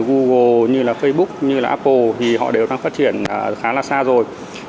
google như là facebook như là apple thì họ đều đang phát triển khá là xa rồi